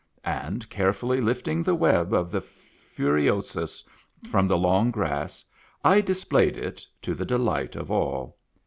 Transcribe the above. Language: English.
And carefully lifting the web of the Furiosus from the long grass, I displayed it, to the delight of all.